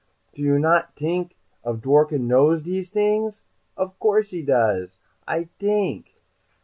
"Do you not t'ink old Dworken knows dese things? Of course he does! I t'ink.